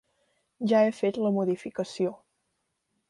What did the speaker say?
Ja he fet la modificació.